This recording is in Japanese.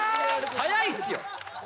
早いっすよ！